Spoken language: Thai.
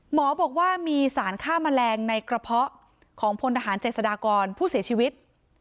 หมอบอกว่ามีสารฆ่าแมลงในกระเพาะของพลทหารเจษฎากรผู้เสียชีวิต